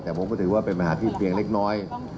แต่ผมก็ถือว่าเป็นปัญหาที่เพียงเล็กน้อย